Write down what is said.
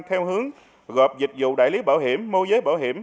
theo hướng gọp dịch vụ đại lý bảo hiểm mô giới bảo hiểm